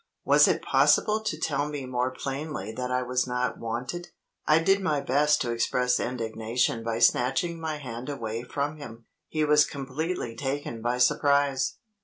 Was it possible to tell me more plainly that I was not wanted? I did my best to express indignation by snatching my hand away from him. He was completely taken by surprise.